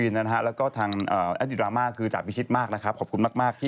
สรุปก็จบสวย